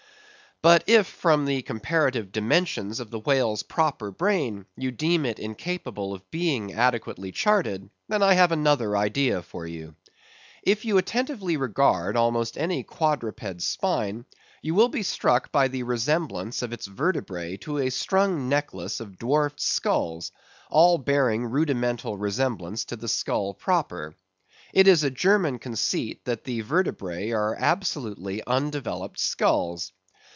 But if from the comparative dimensions of the whale's proper brain, you deem it incapable of being adequately charted, then I have another idea for you. If you attentively regard almost any quadruped's spine, you will be struck with the resemblance of its vertebræ to a strung necklace of dwarfed skulls, all bearing rudimental resemblance to the skull proper. It is a German conceit, that the vertebræ are absolutely undeveloped skulls.